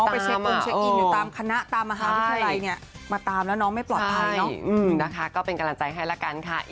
ไปเรียนไปเรียนค่ะ